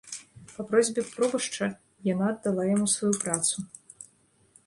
Па просьбе пробашча яна аддала яму сваю працу.